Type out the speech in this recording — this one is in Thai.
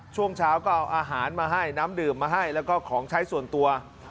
ช่วงเช้าก็เอาอาหารมาให้น้ำดื่มมาให้แล้วก็ของใช้ส่วนตัว